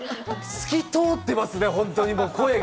透き通っていますね、本当に声が。